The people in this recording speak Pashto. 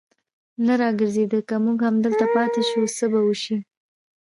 نه را ګرځېده، که موږ همدلته پاتې شو، څه به وشي.